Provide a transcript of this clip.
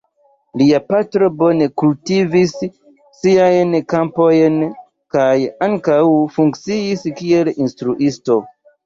Lia patro bone kultivis siajn kampojn kaj ankaŭ funkciis kiel instruisto.